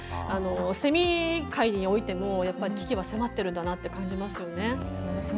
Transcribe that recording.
セミ界においても危機は迫ってるんだなと感じますよね。